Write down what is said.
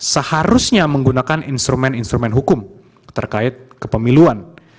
seharusnya menggunakan instrumen instrumen hukum terkait kepemiluan